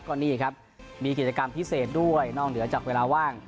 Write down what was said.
ก็นี่ครับมีกิจกรรมพิเศษด้วยนอกเหนือจากเวลาว่าง